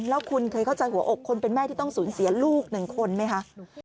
แล้วคุณเคยเข้าใจหัวอกคนเป็นแม่ที่ต้องสูญเสียลูกหนึ่งคนไหมคะ